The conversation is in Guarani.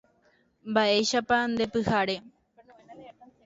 Mba'éichapa ndepyhare.